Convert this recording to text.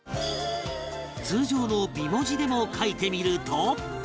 通常の美文字でも書いてみると